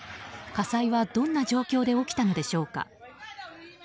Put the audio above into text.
火災はどんな状況で起きたのでしょうか。